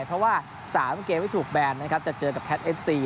เพราะว่า๓เกมไม่ถูกแบนจะเจอกับแคทเอฟซี